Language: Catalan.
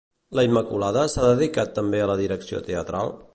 La Immaculada s'ha dedicat també a la direcció teatral?